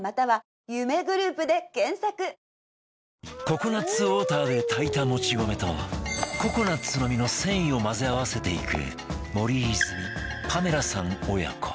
ココナッツウォーターで炊いたもち米とココナッツの実の繊維を混ぜ合わせていく森泉パメラさん親子